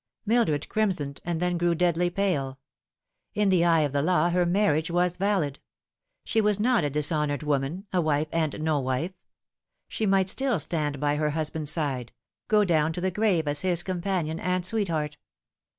Mildred crimsoned and then grew ceadly pale. In the eye of the law her marriage was valid. She was not a dishonoured woman a wife and no wife. She might still stand by her husband's side go down to the grave as his companion and sweetheart.